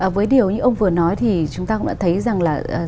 với điều như ông vừa nói chúng ta cũng đã thấy rằng